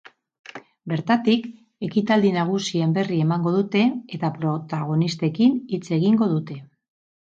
Bertatik, ekitaldi nagusien berri emango dute eta protagonistekin hitz egingo dute.